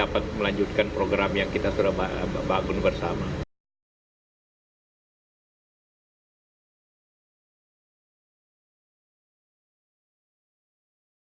presiden mendukung pak jokowi supaya dapat melanjutkan program yang kita sudah bangun bersama